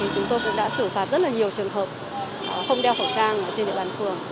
chúng tôi cũng đã xử phạt rất là nhiều trường hợp không đeo khẩu trang trên địa bàn phường